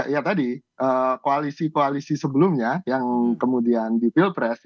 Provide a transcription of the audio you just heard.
ya tadi koalisi koalisi sebelumnya yang kemudian di pilpres